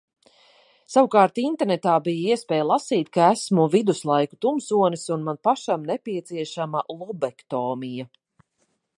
Savukārt internetā bija iespēja lasīt, ka esmu viduslaiku tumsonis un man pašam nepieciešama lobektomija.